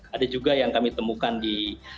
ada juga yang kami temukan di